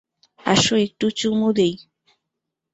আসো একটু চুমু দিই।